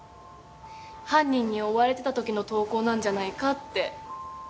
犯人に追われてた時の投稿なんじゃないかって。